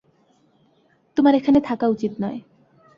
তোমার এখানে থাকা উচিত নয়।